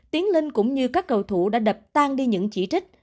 tiếng lên cũng như các cầu thủ đã đập tan đi những chỉ trích